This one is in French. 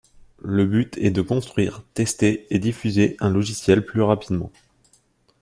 Le but est de construire, tester et diffuser un logiciel plus rapidement.